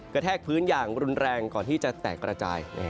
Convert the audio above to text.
แทกพื้นอย่างรุนแรงก่อนที่จะแตกกระจาย